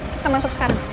kita masuk sekarang